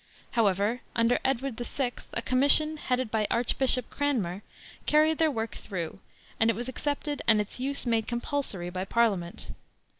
However, under Edward VI a commission, headed by Archbishop Cranmer, carried their work through, and it was accepted and its use made compulsory by Parliament.